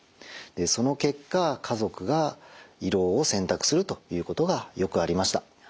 その結果家族が胃ろうを選択するということがよくありました。